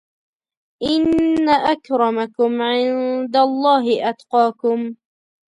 ان اکرمکم عندالله اتقاکم